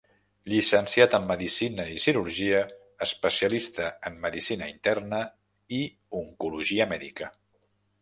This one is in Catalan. Llicenciat en Medicina i Cirurgia, especialista en Medicina Interna i Oncologia Mèdica.